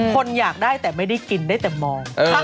คนอยากได้แต่ไม่ได้กินได้แต่มอง